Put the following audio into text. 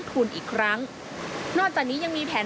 ประกอบกับต้นทุนหลักที่เพิ่มขึ้น